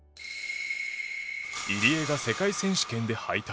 入江が世界選手権で敗退。